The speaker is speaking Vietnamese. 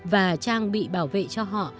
và trang bị bảo vệ cho họ